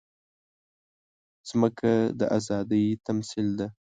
مځکه د ازادۍ تمثیل ده.